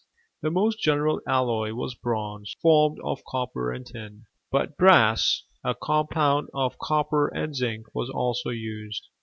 The most general alloy was Bronze, formed of copper and tin: but brass, a compound of copper and zinc, was also used.